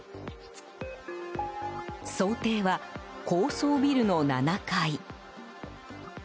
想定は高層ビルの７階。